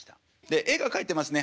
絵が描いてますね